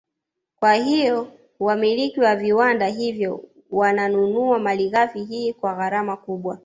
Kwa hiyo wamiliki wa viwanda hivyo wananunua Malighafi hii kwa gharama kubwa